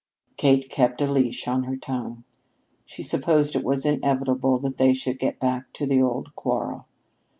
Kate kept a leash on her tongue. She supposed it was inevitable that they should get back to the old quarrel.